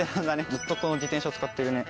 ずっとこの自転車を使ってるね。